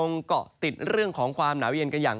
เมิดแอะว